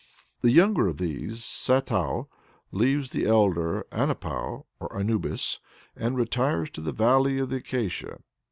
The younger of these, Satou, leaves the elder, Anepou (Anubis) and retires to the Valley of the Acacia.